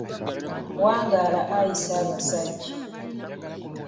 Wangaala ayi Ssaabaasajja